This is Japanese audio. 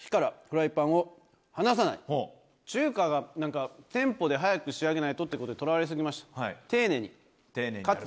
中華がなんかテンポで早く仕上げないとってことにとらわれすぎました。